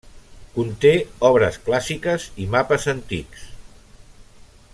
Conté obres clàssiques i mapes antics.